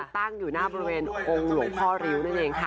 ตั้งอยู่หน้าบริเวณองค์หลกพรื้ว